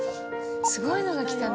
すごいのが来たね。